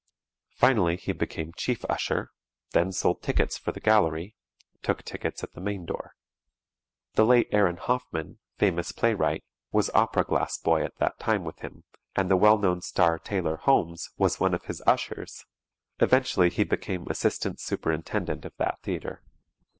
Finally he became chief usher then sold tickets for the gallery took tickets at the main door. The late Aaron Hoffman, famous playwright, was opera glass boy at that time with him, and the well known star, Taylor Holmes, was one of his ushers! Eventually he became Assistant Superintendent of that theatre.